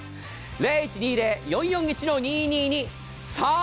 ０１２０−４４１−２２２さあ